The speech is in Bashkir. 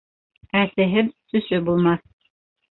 Әсеһеҙ сөсө булмаҫ.